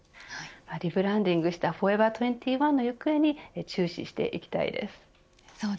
リブランディングをしたフォーエバー２１の行方に注視していきたいです。